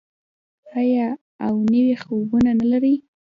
آیا او نوي خوبونه نلري؟